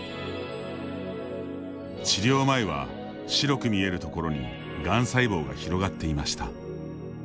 治療前は、白く見えるところにがん細胞が広がっていました。